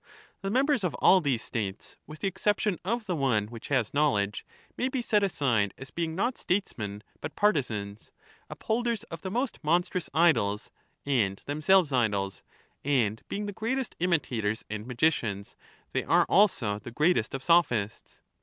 The members of all these States, with the exception ""®"* of the one which has knowledge, may be set aside as being not hoidwTof Statesmen but partisans, —upholders of the most monstrous the untrue idols, and themselves idols ; and, being the greatest imitators ^^^^! and magicians, they are also the greatest of Sophists.